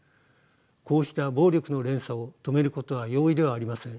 こうした暴力の連鎖を止めることは容易ではありません。